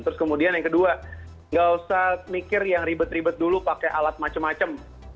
terus kemudian yang kedua nggak usah mikir yang ribet ribet dulu pakai alat macem macem